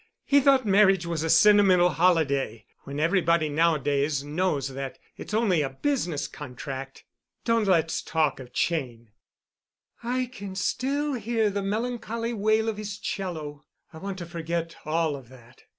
He thought marriage was a sentimental holiday, when everybody nowadays knows that it's only a business contract. Don't let's talk of Cheyne. I can still hear the melancholy wail of his 'cello. I want to forget all of that.